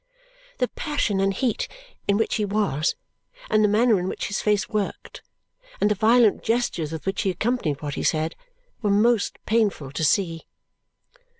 The passion and heat in which he was, and the manner in which his face worked, and the violent gestures with which he accompanied what he said, were most painful to see.